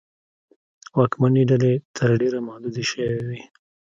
واکمنې ډلې تر ډېره محدودې شوې وې.